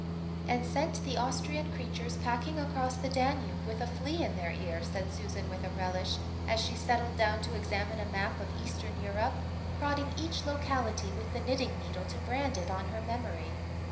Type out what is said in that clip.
"And sent the Austrian creatures packing across the Danube with a flea in their ear," said Susan with a relish, as she settled down to examine a map of Eastern Europe, prodding each locality with the knitting needle to brand it on her memory.